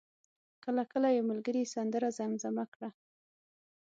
کله کله یو ملګری سندره زمزمه کړه.